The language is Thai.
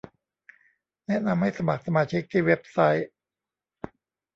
แนะนำให้สมัครสมาชิกที่เว็บไซต์